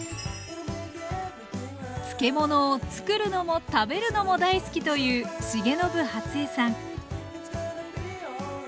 漬物を作るのも食べるのも大好きという重信初江さん